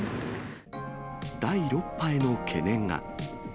第６波への懸念が。